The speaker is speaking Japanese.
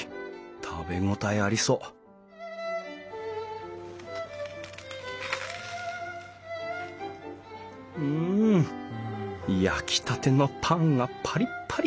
食べ応えありそううん焼きたてのパンがパリッパリ！